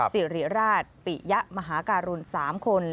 สิริราชปิยะมหาการุณ๓คน